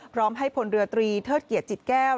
พร้อมให้พลเรือตรีเทิดเกียรติจิตแก้ว